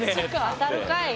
当たるかい！